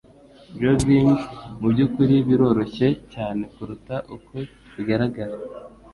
Juggling mubyukuri biroroshye cyane kuruta uko bigaragara.